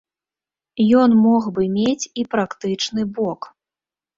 Ён мог бы мець і практычны бок.